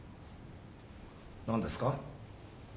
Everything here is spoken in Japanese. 何ですか？